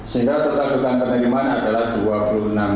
sehingga tetap dukan penerimaan adalah rp dua puluh enam lima ratus